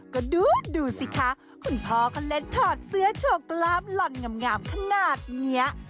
ก็ดูสิคะคุณพ่อเขาเล่นถอดเสื้อโชว์กล้ามหล่อนงามขนาดนี้